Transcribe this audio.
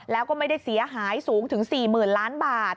แล้วก็ไม่ได้เสียหายสูงถึง๔๐๐๐ล้านบาท